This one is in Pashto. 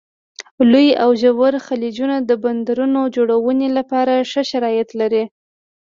لوی او ژور خلیجونه د بندرونو جوړونې لپاره ښه شرایط لري.